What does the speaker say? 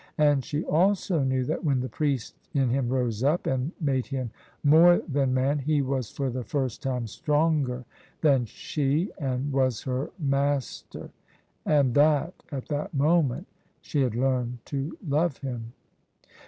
And she also knew that when the priest in him rose up and made him more than man, he was for the first time stronger than she and was her master; and that at that moment she had learned to love him.